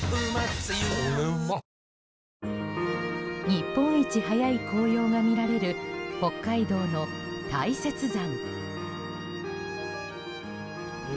日本一早い紅葉が見られる北海道の大雪山。